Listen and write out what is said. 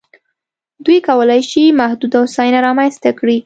دوی کولای شي محدوده هوساینه رامنځته کړي.